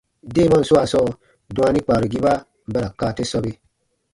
Deemaan swaa sɔɔ, dwaani kpaarugiba ba ra kaa te sɔbe.